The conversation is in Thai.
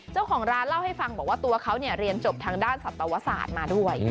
เจ้าของร้านเล่าให้ฟังบอกว่าตัวเขาเรียนจบทางด้านสัตวศาสตร์มาด้วย